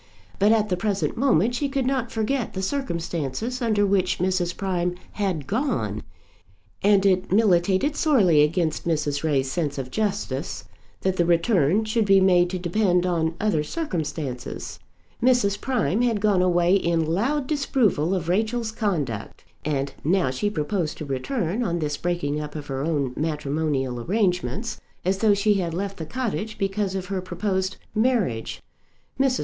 But at the present moment she could not forget the circumstances under which Mrs. Prime had gone, and it militated sorely against Mrs. Ray's sense of justice that the return should be made to depend on other circumstances. Mrs. Prime had gone away in loud disapproval of Rachel's conduct; and now she proposed to return, on this breaking up of her own matrimonial arrangements, as though she had left the cottage because of her proposed marriage. Mrs.